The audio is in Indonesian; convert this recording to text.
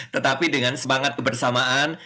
tetapi dengan semangat kebersamaan